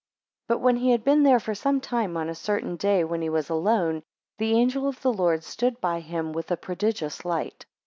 BUT when he had been there for some time, on a certain day when he was alone, the angel of the Lord stood by him with a prodigious light.